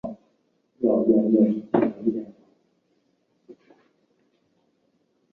白下区源于民国时期的第二区。